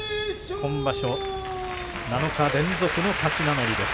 今場所、七日連続の勝ち名乗りです。